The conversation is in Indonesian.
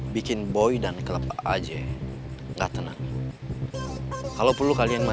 bikin bohong di sana terus nyusahkan orang lain yang datang ke tempat ini jadi buat apa